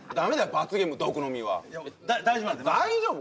罰ゲーム毒飲みはいや大丈夫なんで大丈夫？